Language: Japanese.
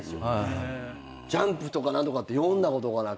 『ジャンプ』とか何とかって読んだことがなくて。